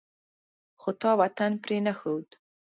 خو تا وطن پرې نه ښود.